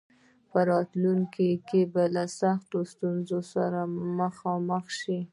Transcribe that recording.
په راتلونکي کې به له سختو ستونزو سره مخامخ شي.